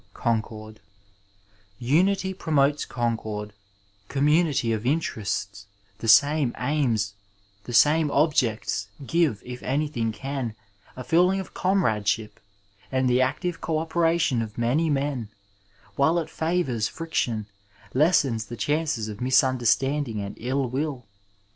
OONOOBD Unity promotes concord — c(»amiunity of interests, the same aims, the same objects give, if anything can, a feeling of comradeship, and the active co operation of many men, while it favours friction, lessens the dbanoes of misunder standing and ill will.